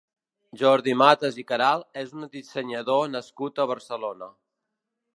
Jordi Matas i Queralt és un dissenyador nascut a Barcelona.